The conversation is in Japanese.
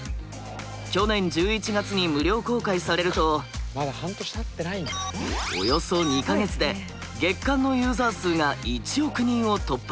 去年１１月に無料公開されるとおよそ２か月で月間のユーザー数が１億人を突破！